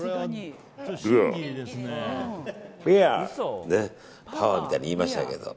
ビアー、パワーみたいに言いましたけど。